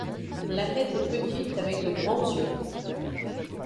La tête est petite, avec de grands yeux.